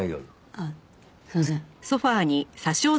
あっすみません。